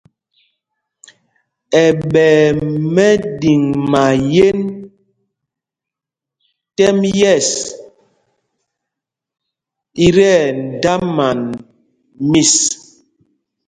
Ɛɓɛ̄y mɛɗiŋmáyēn tɛ́m yɛ̂ɛs í tí ɛdāman mis.